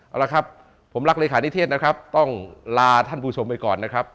เอาละครับผมรักเลขานิเทศนะครับต้องลาท่านผู้ชมไปก่อนนะครับ